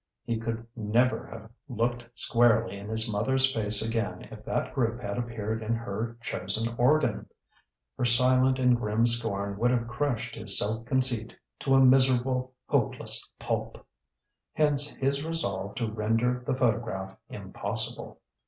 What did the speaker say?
He could never have looked squarely in his mother's face again if that group had appeared in her chosen organ! Her silent and grim scorn would have crushed his self conceit to a miserable, hopeless pulp. Hence his resolve to render the photograph impossible.